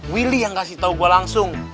willy yang kasih tahu gue langsung